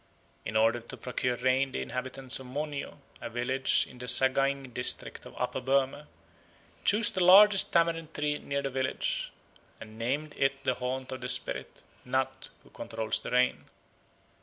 In order to procure rain the inhabitants of Monyo, a village in the Sagaing district of Upper Burma, chose the largest tamarind tree near the village and named it the haunt of the spirit (nat) who controls the rain.